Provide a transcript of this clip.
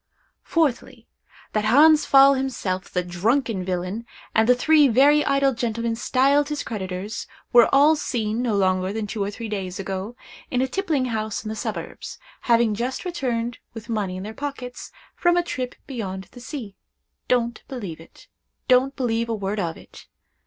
Fourthly, That Hans Pfaall himself, the drunken villain, and the three very idle gentlemen styled his creditors, were all seen, no longer than two or three days ago, in a tippling house in the suburbs, having just returned, with money in their pockets, from a trip beyond the sea. Don't believe it—don't believe a word of it.